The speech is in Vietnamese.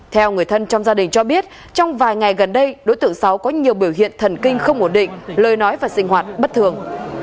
theo người thân trong gia đình cho biết trong vài ngày gần đây đối tượng sáu có nhiều biểu hiện thần kinh không ổn định lời nói và sinh hoạt bất thường